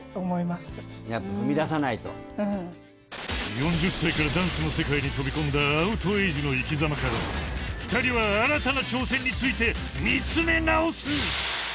４０歳からダンスの世界に飛び込んだアウトエイジの生き様から２人は新たな挑戦について見つめ直す